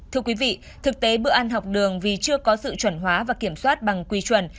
thưa quý vị thực tế bữa ăn học đường vì chưa có sự chuẩn hóa và kiểm soát bằng quy chuẩn